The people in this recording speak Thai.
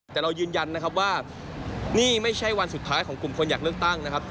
แต่เรายืนยันว่านี่ไม่ใช่วันสุดท้ายของกลุ่มคนอยากเลือกตั้ง